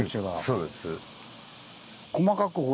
そうです。